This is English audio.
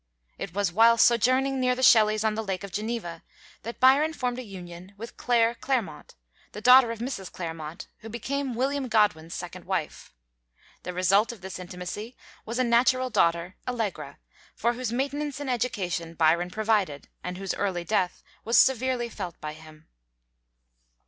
It was while sojourning near the Shelleys on the Lake of Geneva that Byron formed a union with Claire Clairmont, the daughter of Mrs. Clairmont, who became William Godwin's second wife. The result of this intimacy was a natural daughter, Allegra, for whose maintenance and education Byron provided, and whose early death was severely felt by him.